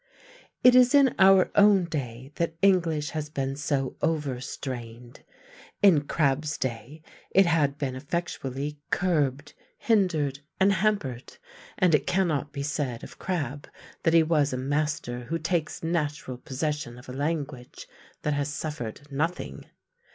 It is in our own day that English has been so over strained. In Crabbe's day it had been effectually curbed, hindered, and hampered, and it cannot be said of Crabbe that he was a master who takes natural possession of a language that has suffered nothing.